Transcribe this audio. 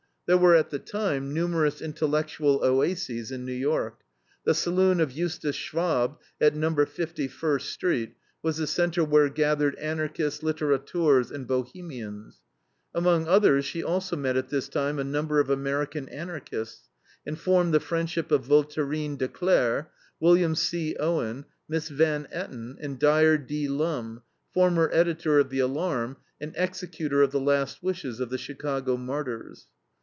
There were at the time numerous intellectual oases in New York. The saloon of Justus Schwab, at Number Fifty, First Street, was the center where gathered Anarchists, litterateurs, and bohemians. Among others she also met at this time a number of American Anarchists, and formed the friendship of Voltairine de Cleyre, Wm. C. Owen, Miss Van Etton, and Dyer D. Lum, former editor of the ALARM and executor of the last wishes of the Chicago martyrs.